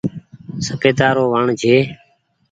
سپيتا رو وڻ ڇي۔